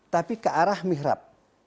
tapi ke arah mihrab